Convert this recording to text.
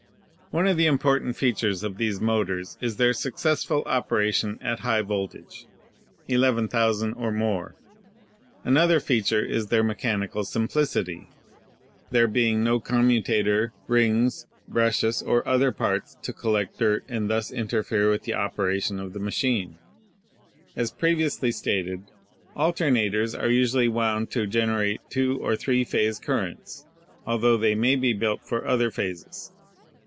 One of the important features of these motors is their successful operation at high voltage — 11,000 or more. An other feature is their mechanical simplicity, there being ELECTRO MAGNETIC MACHINERY 201 no commutator, rings, brushes or other parts to collect dirt and thus interfere with the operation of the machine. As previously stated, alternators are usually wound to generate two or three phase currents, altho they may be built for other phases.